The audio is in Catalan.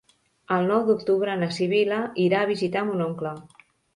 El nou d'octubre na Sibil·la irà a visitar mon oncle.